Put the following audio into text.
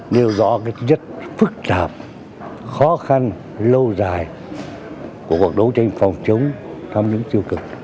là điều rất phức tạp khó khăn lâu dài của cuộc đấu tranh phòng chống tham nhũng tiêu cực